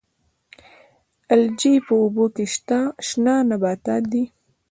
الجی په اوبو کې شنه نباتات دي